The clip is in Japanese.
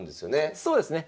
そうですね。